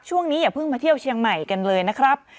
อย่าเพิ่งมาเที่ยวเชียงใหม่กันเลยนะครับ